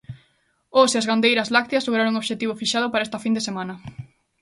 Os e as gandeiras lácteas lograron o obxectivo fixado para esta fin de semana.